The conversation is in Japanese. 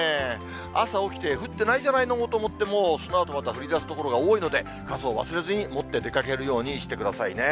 朝起きて降ってないじゃないのと思っても、そのあとまた降りだす所が多いので、傘を忘れずに持って出かけるようにしてくださいね。